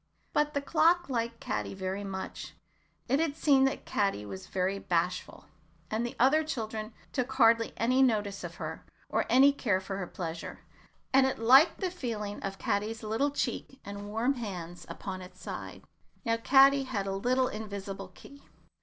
But the clock liked Caddy very much. It had seen that Caddy was very bashful, and that the other children took hardly any notice of her, or any care for her pleasure, and it liked the feeling of Caddy's little cheek and warm hands upon its side. Now Caddy had a little invisible key.